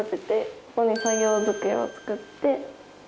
ここに作業机を作って。